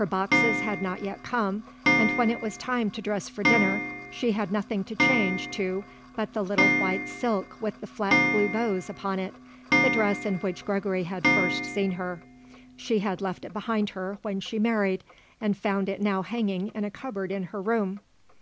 Her boxes had not yet come and when it was time to dress for dinner she had nothing to change to but the little white silk with the flat blue bows upon it, the dress in which Gregory had first seen her. She had left it behind her when she married and found it now hanging in a cupboard in her room.